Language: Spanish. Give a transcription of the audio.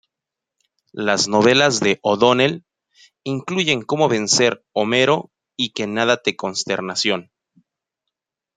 Las novelas de O'Donnell incluyen Cómo vencer Homero y que nada te Consternación.